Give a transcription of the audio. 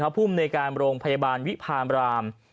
ผู้อำนวยการโรงพยาบาลวิภาบราม